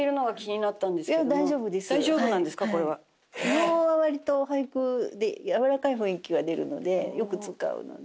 「の」は割と俳句でやわらかい雰囲気が出るのでよく使うので。